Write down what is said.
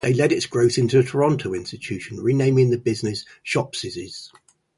They led its growth into a Toronto institution, renaming the business "Shopsy's".